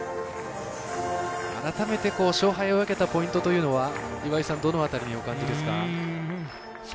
改めて勝敗を分けたポイントというのは岩井さん、どの辺りにお感じでしょうか？